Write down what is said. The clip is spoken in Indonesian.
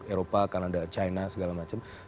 eropa kanada china segala macam